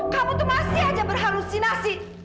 kamu tuh masih aja berhalusinasi